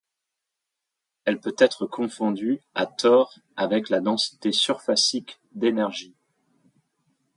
Elle peut être confondue, à tort, avec la densité surfacique d'énergie.